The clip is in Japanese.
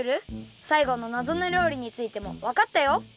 さいごのなぞの料理についてもわかったよ！